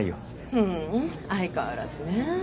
ふん相変わらずね。